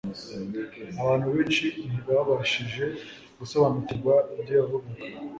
Abantu benshi ntibabashije gusobanukirwa ibyo yavugaga